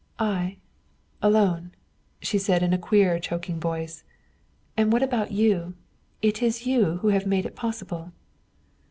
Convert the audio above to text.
"I alone!" she said in a queer choking voice. "And what about you? It is you who have made it possible."